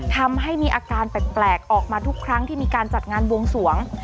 ทำให้มีอาการแปลกออกมาทุกครั้งที่มีการจัดงานบวงสวง